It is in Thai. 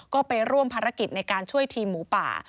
ก็ไปร่วมภารกิจในการช่วยทีมหมูป่า